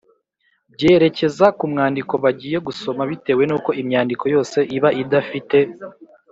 byerekeza ku mwandiko bagiye gusoma. Bitewe n’uko imyandiko yose iba idafite